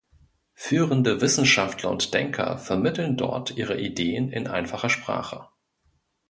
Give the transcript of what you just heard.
Führende Wissenschaftler und Denker vermitteln dort ihre Ideen in einfacher Sprache.